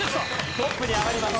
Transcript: トップに上がります。